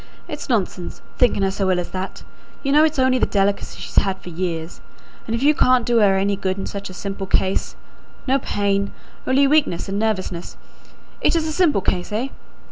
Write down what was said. "It's nonsense thinking her so ill as that you know it's only the delicacy she's had for years; and if you can't do her any good in such a simple case no pain only weakness and nervousness it is a simple case, eh?